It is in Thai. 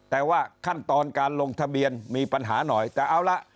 แต่ว่าขั้นตอนการลงทะเบียนมีปัญหาหน่อยแต่เอาละ